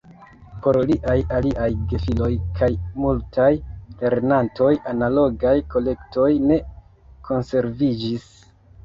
Por liaj aliaj gefiloj kaj multaj lernantoj analogaj kolektoj ne konserviĝis.